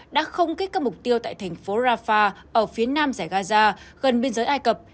đã không kích các mục tiêu tại thành phố rafah ở phía nam giải gaza gần biên giới ai cập